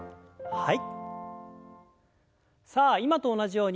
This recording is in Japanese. はい。